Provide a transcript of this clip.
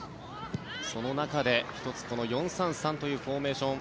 その中で１つ、４−３−３というフォーメーション